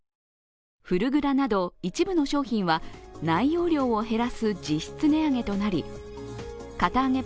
フルグラなど一部の商品は内容量を減らす実質値上げとなり堅あげ